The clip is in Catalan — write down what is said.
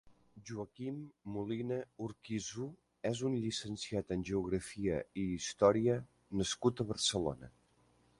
Joaquim Molina Urquizu és un llicenciat en Geografia i Història nascut a Barcelona.